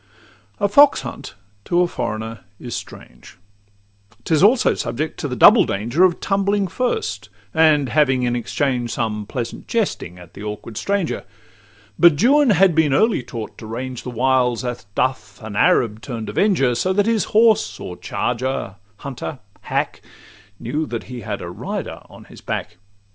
A fox hunt to a foreigner is strange; 'Tis also subject to the double danger Of tumbling first, and having in exchange Some pleasant jesting at the awkward stranger: But Juan had been early taught to range The wilds, as doth an Arab turn'd avenger, So that his horse, or charger, hunter, hack, Knew that he had a rider on his back.